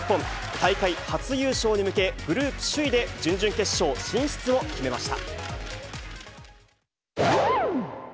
大会初優勝に向け、グループ首位で準々決勝進出を決めました。